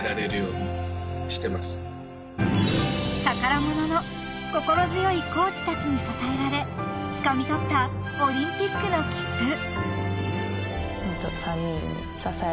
［宝物の心強いコーチたちに支えられつかみ取ったオリンピックの切符］